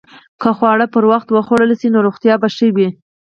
که خواړه پر وخت وخوړل شي، نو روغتیا به ښه وي.